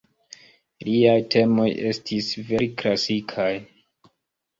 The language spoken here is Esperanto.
Liaj temoj estis vere klasikaj.